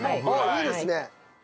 いいですね。